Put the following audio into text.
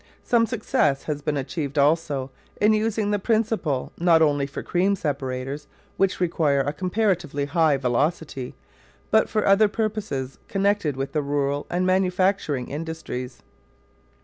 Some success has been achieved also in using the principle not only for cream separators, which require a comparatively high velocity, but for other purposes connected with the rural and manufacturing industries.